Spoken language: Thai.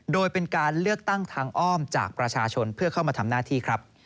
โดยเป็นการเลือกตั้งทางอ้อมจากประชาชนเพื่อเข้ามาทำหน้าที่ครับ